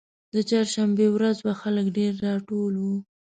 د چهارشنبې ورځ وه خلک ډېر راټول وو.